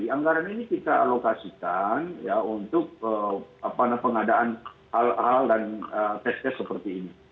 anggaran ini kita alokasikan untuk pengadaan hal hal dan tes tes seperti ini